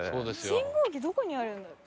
信号機どこにあるんだろう。